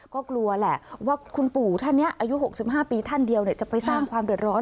ก็กลัวแหละว่าคุณปู่ท่านนี้อายุ๖๕ปีท่านเดียวจะไปสร้างความเดือดร้อน